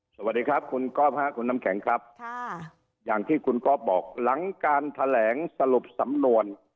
สวัสดีครับคุณก๊อฟค่ะคุณน้ำแข็งครับค่ะอย่างที่คุณก๊อฟบอกหลังการแถลงสรุปสำนวน